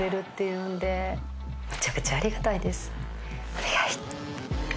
お願い。